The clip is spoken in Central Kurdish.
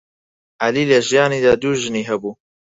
عەلی لە ژیانیدا دوو ژنی هەبوو.